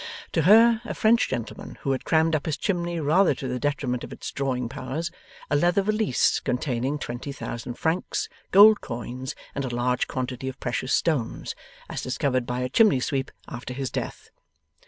To her, a French gentleman, who had crammed up his chimney, rather to the detriment of its drawing powers, 'a leather valise, containing twenty thousand francs, gold coins, and a large quantity of precious stones,' as discovered by a chimneysweep after his death.